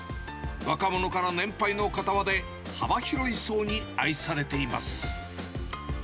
若者から年配の方まで、幅広い層に愛されています。